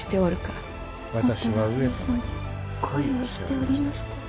私は上様に恋をしておりましたよ。